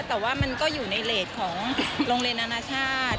แต่ว่ามันก็อยู่ในเลสของโรงเรียนนานาชาติ